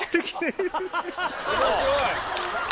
面白い！